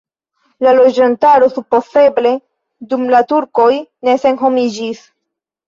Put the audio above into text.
La loĝantaro supozeble dum la turkoj ne senhomiĝis.